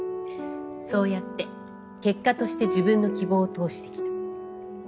そうやって結果として自分の希望を通してきた。